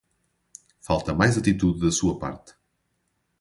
Falta mais atitude da sua parte